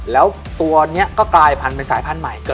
แล้วตัวนี้ก็กลายพันธุ์เป็นสายพันธุ์ใหม่